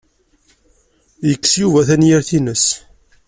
Yekres Yuba tanyirt-nnes.